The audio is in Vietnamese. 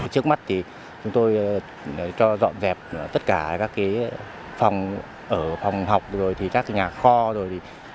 trước mắt thì chúng tôi cho dọn dẹp tất cả các phòng học rồi các nhà kho rồi